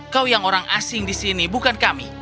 kau yang orang asing disini bukan kami